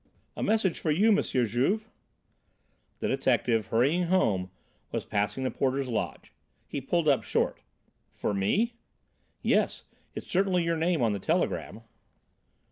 "A message for you, M. Juve." The detective, hurrying home, was passing the porter's lodge. He pulled up short. "For me?" "Yes it's certainly your name on the telegram."